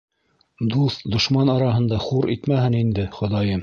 Дуҫ-дошман араһында хур итмәһен инде хоҙайым...